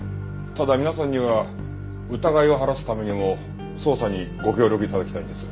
ただ皆さんには疑いを晴らすためにも捜査にご協力頂きたいんです。